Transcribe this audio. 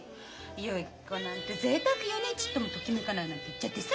ゆき子なんてぜいたくよねちっともときめかないなんて言っちゃってさ。